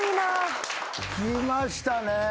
きましたね。